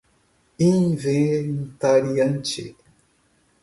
inventariante